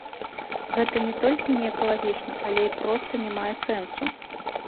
Гэта не толькі неэкалагічна, але і проста не мае сэнсу.